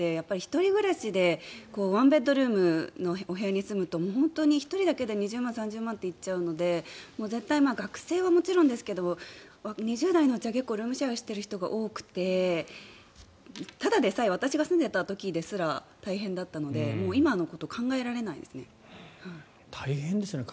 １人暮らしで１ベッドルームのお部屋に住むと１人だけで２０万、３０万と行っちゃうので絶対に学生はもちろんですが２０代のうちはルームシェアをしている人が多くてただでさえ私が住んでいた時ですら大変だったので今のことを考えられないですね。